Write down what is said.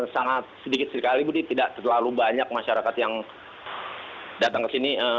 sangat sedikit sekali budi tidak terlalu banyak masyarakat yang datang ke sini